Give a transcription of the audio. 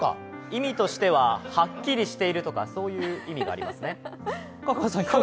意味としてははっきりしているとかそういう意味があります。